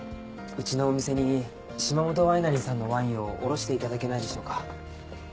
うちのお店に島本ワイナリーさんのワインを卸していただけないでしょうか。